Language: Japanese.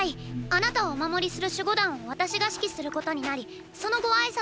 あなたをお守りする守護団を私が指揮することになりそのご挨拶に。